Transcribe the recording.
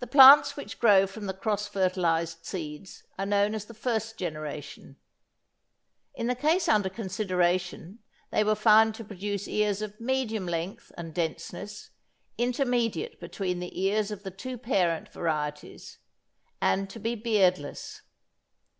The plants which grow from the cross fertilised seeds are known as the first generation. In the case under consideration, they were found to produce ears of medium length and denseness, intermediate between the ears of the two parent varieties, and to be beardless.